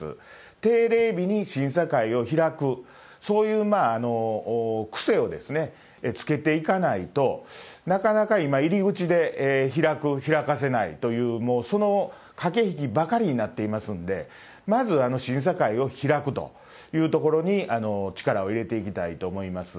定例日に審査会を開く、そういう癖をつけていかないと、なかなか今、入り口で開く、開かせないという、もうその駆け引きばかりになっていますんで、まず審査会を開くというところに力を入れていきたいと思います。